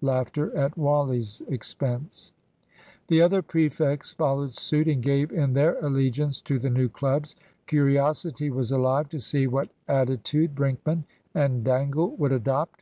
(Laughter, at Wally's expense.) The other prefects followed suit, and gave in their allegiance to the new clubs. Curiosity was alive to see what attitude Brinkman and Dangle would adopt.